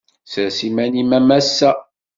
Sers iman-im a massa.